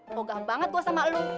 mogah banget gue sama lu